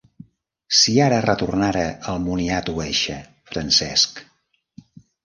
Si ara retornara el moniato eixe, Francesc.